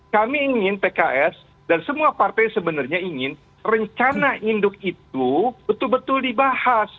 kami ingin pks dan semua partai sebenarnya ingin rencana induk itu betul betul dibahas